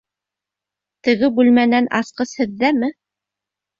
Теге бүлмәнән асҡыс һеҙҙәме?